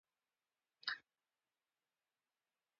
اداري حقوق د دولت د عمل حدود ټاکي.